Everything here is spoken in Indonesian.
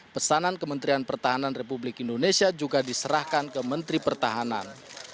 pesanan kementerian pertahanan republik indonesia juga diserahkan ke menteri pertahanan